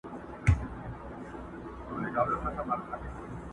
کار و بار وي د غزلو کښت و کار وي د غزلو،